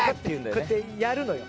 こうやってやるのよ。